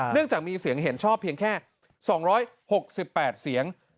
จากมีเสียงเห็นชอบเพียงแค่๒๖๘เสียง